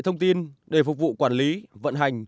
thông tin để phục vụ quản lý vận hành